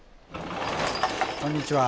こんにちは。